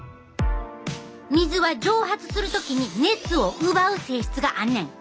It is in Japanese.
水は蒸発する時に熱を奪う性質があんねん。